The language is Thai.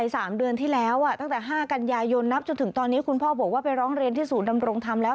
สามเดือนที่แล้วตั้งแต่๕กันยายนนับจนถึงตอนนี้คุณพ่อบอกว่าไปร้องเรียนที่ศูนย์ดำรงธรรมแล้ว